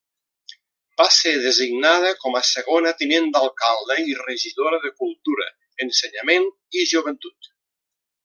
Va ser designada com a segona tinent d'alcalde i regidora de Cultura, Ensenyament i Joventut.